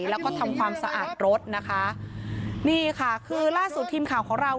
แล้วก็ทำความสะอาดรถนะคะนี่ค่ะคือล่าสุดทีมข่าวของเรา